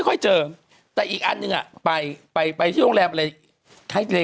ก็ถามว่าใครเจอ